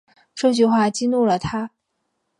这句话激怒了他